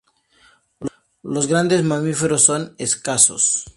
Los grandes mamíferos son escasos.